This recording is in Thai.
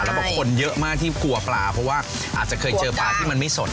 แล้วบอกคนเยอะมากที่กลัวปลาเพราะว่าอาจจะเคยเจอปลาที่มันไม่สน